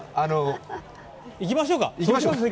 いきましょうか。